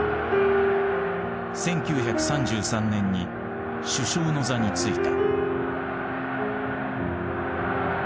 １９３３年に首相の座に就いた。